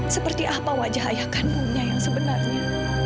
seperti apa wajah ayah kandungnya yang sebenarnya